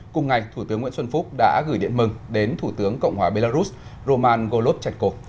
cùng ngày thủ tướng nguyễn xuân phúc đã gửi điện mừng đến thủ tướng cộng hòa belarus roman golovchakkov